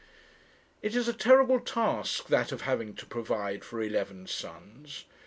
It is a terrible task, that of having to provide for eleven sons.